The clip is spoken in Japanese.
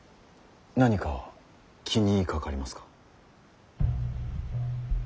何か気にかかりますか。